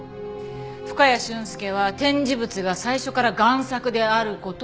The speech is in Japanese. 深谷俊介は展示物が最初から贋作である事を知っていた。